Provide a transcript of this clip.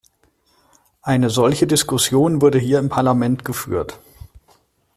Eine solche Diskussion wurde hier im Parlament geführt.